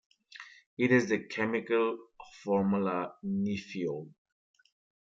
It has the chemical formula NiFeO.